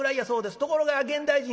ところが現代人